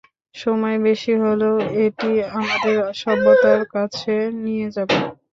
সময় বেশি হলেও, এটি আমাদের সভ্যতার কাছে নিয়ে যাবে।